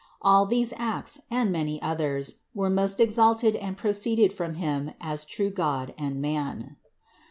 All these acts, and many others, were most exalted and proceeded from Him as true God and Man.